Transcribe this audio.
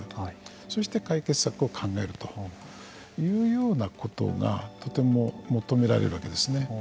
そして解決策を考えるというようなことがとても求められるわけですね。